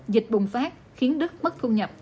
dịch bùng phát khiến đức mất thu nhập